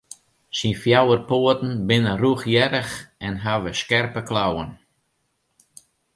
Syn fjouwer poaten binne rûchhierrich en hawwe skerpe klauwen.